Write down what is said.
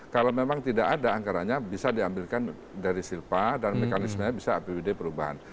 kalau memang tidak ada anggarannya bisa diambilkan dari silpa dan mekanismenya bisa apbd perubahan